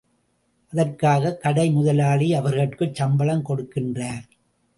அதற்காகக் கடை முதலாளி அவர்கட்குச் சம்பளம் கொடுக்கின்றார்.